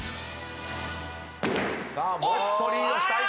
もっとリードしたい。